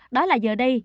đó là giờ đây